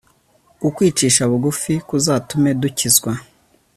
ukwicisha bugufi kuzatume dukizwa